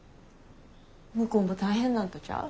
向こうも大変なんとちゃう？